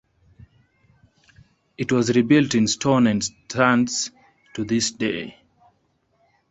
It was rebuilt in stone and stands to this day.